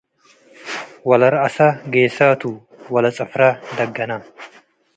ወለረአሰ ጌሳቱ - ወለጽፍራ ደገነ